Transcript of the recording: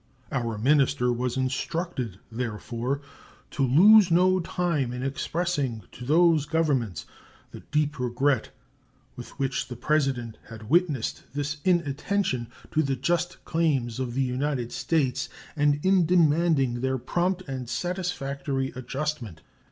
Our minister was instructed, therefore, to lose no time in expressing to those Governments the deep regret with which the President had witnessed this inattention to the just claims of the United States and in demanding their prompt and satisfactory adjustment.